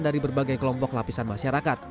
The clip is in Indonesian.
dari berbagai kelompok lapisan masyarakat